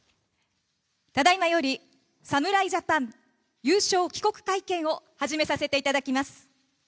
ただいまより侍ジャパン優勝帰国会見を始めさせていただきます。